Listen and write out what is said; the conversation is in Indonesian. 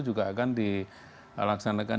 juga akan dilaksanakan